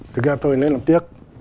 thực ra tôi lấy làm tiếc